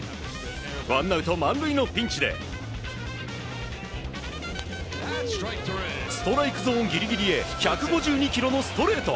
ワンアウト満塁のピンチでストライクゾーンギリギリへ１６２キロのストレート。